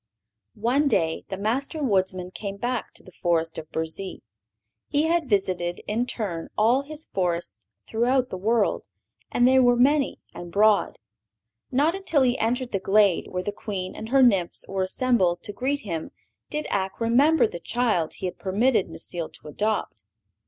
One day the Master Woodsman came back to the forest of Burzee. He had visited, in turn, all his forests throughout the world, and they were many and broad. Not until he entered the glade where the Queen and her nymphs were assembled to greet him did Ak remember the child he had permitted Necile to adopt.